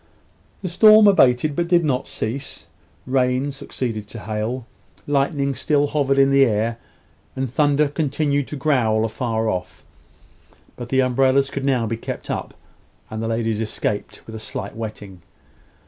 The storm abated, but did not cease. Rain succeeded to hail, lightning still hovered in the air, and thunder continued to growl afar off. But the umbrellas could now be kept up, and the ladies escaped with a slight wetting.